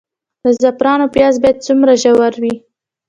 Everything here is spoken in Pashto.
د زعفرانو پیاز باید څومره ژور وي؟